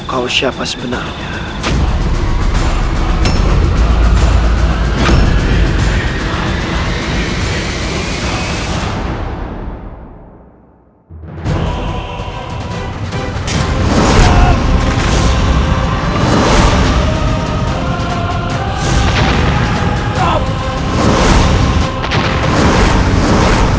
kau siapa sebenarnya